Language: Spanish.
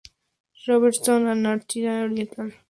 Robertson, Antártida Oriental.